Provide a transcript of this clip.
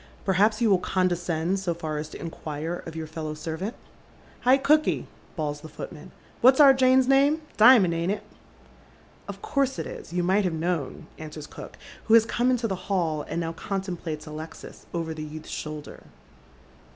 " Perhaps you will condescend BO far as to inquire of your fellow servant ?"" Hi, cooky," bawls the'f ootman, " what's our Jane's name ? Dimond, ain't it ?" "Of course it is. You might have known," answers cook, who has come into the hall, and now contemplates Alexis over the youth's shoulder.